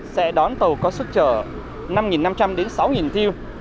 sẽ đón tàu có sức trở năm năm trăm linh đến sáu thiêu